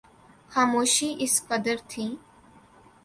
خاموشی اس قدر تھی